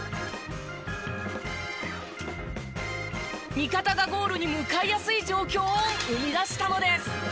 味方がゴールに向かいやすい状況を生み出したのです。